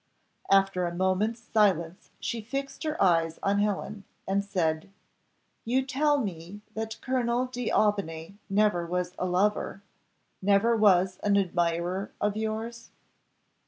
After a moment's silence she fixed her eyes on Helen, and said, "You tell me that Colonel D'Aubigny never was a lover never was an admirer of yours?"